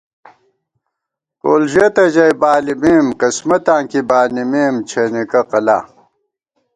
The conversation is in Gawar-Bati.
کول ژېتہ ژَئی بالِمېم قِسمَتاں کی بانِمېم چھېنېکہ قلا